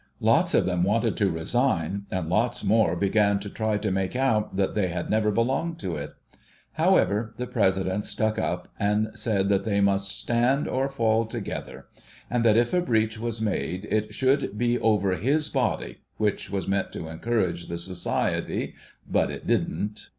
Lots of them wanted to resign, and lots more began to try to make out that they had never belonged to it. However, the President stuck up, and said that they must stand or fall together, and that if a breach was made it should be over his body — which was meant to encourage the Society : but it didn't.